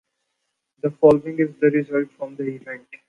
The following is the results from the event.